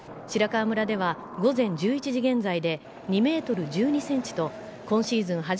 白川村では午前１１時現在で２メートル１２センチと今シーズン